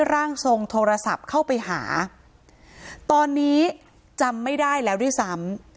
ร่างทรงโทรศัพท์เข้าไปหาตอนนี้จำไม่ได้แล้วด้วยซ้ำ